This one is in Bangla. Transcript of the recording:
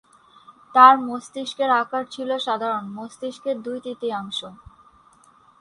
তার মস্তিষ্কের আকার ছিল সাধারণ মস্তিষ্কের দুই-তৃতীয়াংশ।